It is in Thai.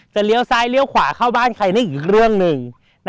เลี้ยวซ้ายเลี้ยวขวาเข้าบ้านใครได้อีกเรื่องหนึ่ง